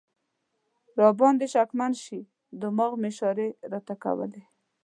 را باندې شکمن شي، دماغ مې اشارې راته کولې.